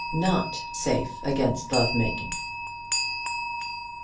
NOT SAFE AGAINST LOVE MAKING.